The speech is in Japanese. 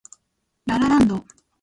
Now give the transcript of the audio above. ラ・ラ・ランド